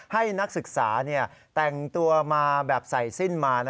ให้นักศึกษาแต่งตัวมาแบบใส่สิ้นมา